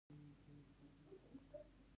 ایا زه باید د زړه ګراف وکړم؟